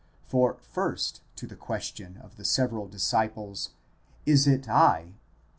For, first, to the question of the several disciples, is it I?